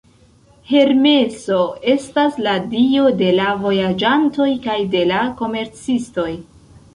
Hermeso estas la dio de la vojaĝantoj kaj de la komercistoj.